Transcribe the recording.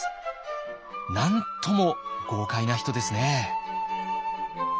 なんとも豪快な人ですね。